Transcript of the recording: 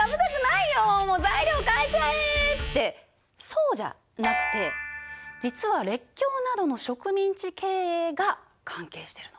そうじゃなくて実は列強などの植民地経営が関係してるの。